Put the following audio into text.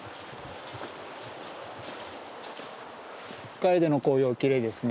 カエデの紅葉きれいですね。